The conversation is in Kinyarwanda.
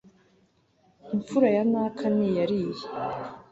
imfura ya naka ni iyariye